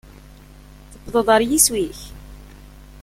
Tewwḍeḍ ɣer yiswi-k?